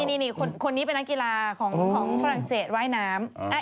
นี่คนนี้เป็นนักกีฬาของฝรั่งเศสว่ายน้ำ